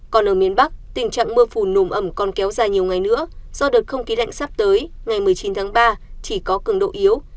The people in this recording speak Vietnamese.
còn ở miền bắc tình trạng mưa phù nồm ẩm còn kéo dài nhiều ngày nữa do đợt không khí lạnh sắp tới ngày một mươi chín tháng ba chỉ có cường độ yếu